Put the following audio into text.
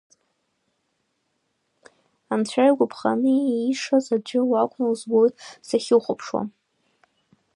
Анцәа игәаԥханы иишаз аӡәы уакәны узбоит сахьухәаԥшуа.